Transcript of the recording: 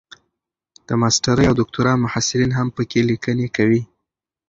د ماسټرۍ او دوکتورا محصلین هم پکې لیکني کوي.